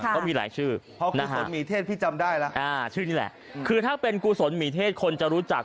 เขามีหลายชื่อเพราะกุศลหมีเทศพี่จำได้แล้วชื่อนี่แหละคือถ้าเป็นกุศลหมีเทศคนจะรู้จัก